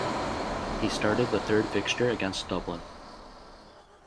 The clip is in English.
He started the third fixture against Dublin.